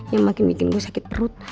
yang makin bikin gue sakit perut